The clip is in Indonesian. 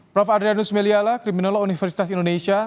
prof adrianus meliala kriminolog universitas indonesia